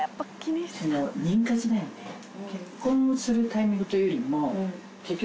結婚をするタイミングというよりも結局。